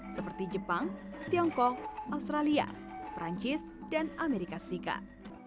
seperti jepang tiongkok australia perancis dan amerika serikat